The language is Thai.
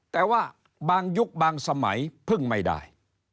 แต่ว่าบางยุคบางสมัยพึ่งไม่ได้